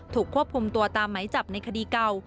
ควบคุมตัวตามไหมจับในคดีเก่า